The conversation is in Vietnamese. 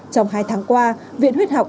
trong hai tháng qua viện huyết học